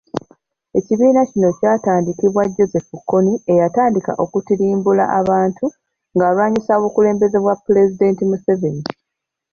Ekibiina kino kyatandikibwa Joseph Kony eyatandika okutirimbula abantu ng'alwanyisa obukulembeze bwa Pulezidenti Museveni.